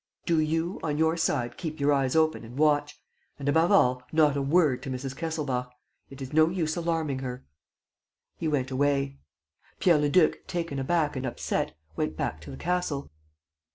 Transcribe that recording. Do you, on your side, keep your eyes open and watch. And, above all, not a word to Mrs. Kesselbach. ... It is no use alarming her. ..." He went away. Pierre Leduc, taken aback and upset, went back to the castle.